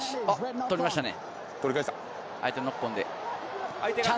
取りましたね。